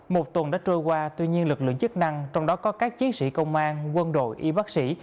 một tuần đã trôi qua tuy nhiên lực lượng chức năng trong đó có các chiến sĩ công an quân đội y bác sĩ